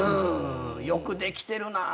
よくできてるなって。